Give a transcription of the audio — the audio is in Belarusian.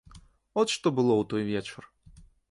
От што было ў той вечар.